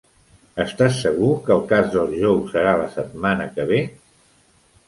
Estàs segur que el cas del Joe serà la setmana que ve?